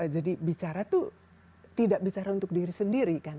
jadi bicara itu tidak bicara untuk diri sendiri kan